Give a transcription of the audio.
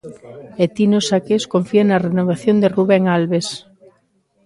E Tino Saqués confía na renovación de Rubén Albes.